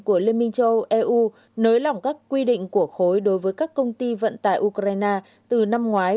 các tài xế xe tải của liên minh châu âu eu nới lỏng các quy định của khối đối với các công ty vận tải ukraine từ năm ngoái